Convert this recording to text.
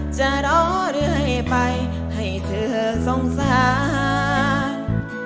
จะรอเรื่อยไปให้เธอสงสาร